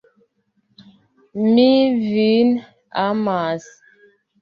Mi vin amas.